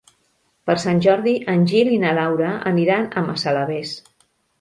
Per Sant Jordi en Gil i na Laura aniran a Massalavés.